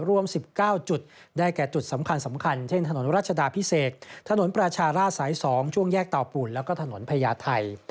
รวม๑๙จุดได้แก่จุดสำคัญเช่นถนนรัชดาพิเศษถนนประชาราชสาย๒ช่วงแยกเตาปูนแล้วก็ถนนพญาไทย